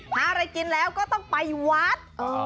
หาอะไรกินแล้วก็ต้องไปวัด